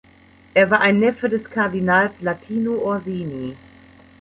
Er war ein Neffe des Kardinals Latino Orsini.